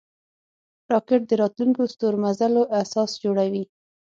راکټ د راتلونکو ستورمزلو اساس جوړوي